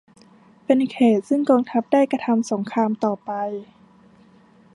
เป็นเขตต์ซึ่งกองทัพได้กระทำสงครามต่อไป